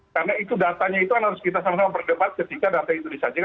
karena datanya itu harus kita sama sama perdebat ketika data itu disajikan